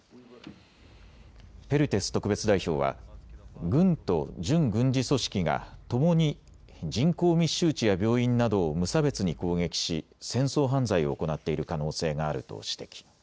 ペルテス特別代表は軍と準軍事組織が共に人口密集地や病院などを無差別に攻撃し、戦争犯罪を行っている可能性があると指摘。